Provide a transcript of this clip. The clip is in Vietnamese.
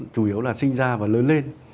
chủ yếu là sinh ra và lớn lên